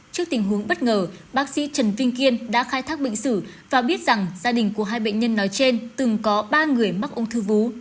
trước tình huống bất ngờ bác sĩ trần vinh kiên đã khai thác bệnh sử và biết rằng gia đình của hai bệnh nhân nói trên từng có ba người mắc ung thư vú